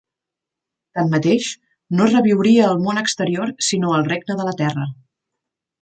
Tanmateix, no reviuria al Món exterior sinó al Regne de la Terra.